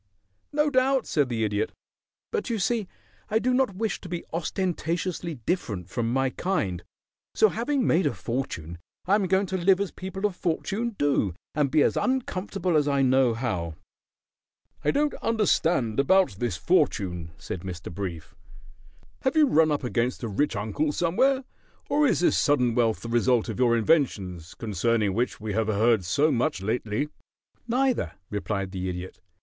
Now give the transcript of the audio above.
"No doubt," said the Idiot. "But you see I do not wish to be ostentatiously different from my kind, so having made a fortune I am going to live as people of fortune do and be as uncomfortable as I know how." "I don't understand about this fortune," said Mr. Brief. "Have you run up against a rich uncle somewhere, or is this sudden wealth the result of your inventions, concerning which we have heard so much lately?" "Neither," replied the Idiot.